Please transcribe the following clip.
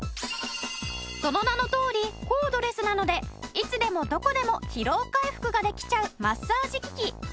その名のとおりコードレスなのでいつでもどこでも疲労回復ができちゃうマッサージ機器。